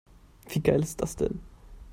Wie geil ist das denn?